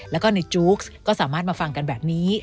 แล้วก็ในจู๊กก็สามารถมาฟังกันแบบนี้